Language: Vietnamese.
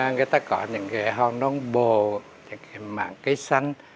người ta có những cái hòn nón bồ những cái mảng cây xanh